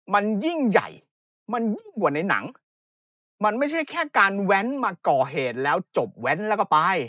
มันยิ่งใหญ่มันยิ่งกว่าในหนังมันไม่ใช่แค่การแว้นมาก่อเหตุแล้วจบแว้นแล้วก็ไป